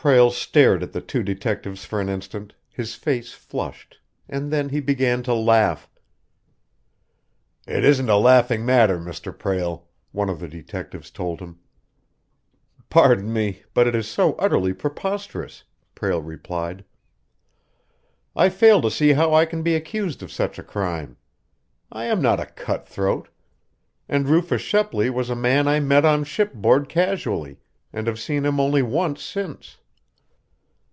Prale stared at the two detectives for an instant, his face flushed, and then he began to laugh. "It isn't a laughing matter, Mr. Prale," one of the detectives told him. "Pardon me, but it is so utterly preposterous," Prale replied. "I fail to see how I can be accused of such a crime. I am not a cut throat, and Rufus Shepley was a man I met on shipboard casually, and have seen him only once since."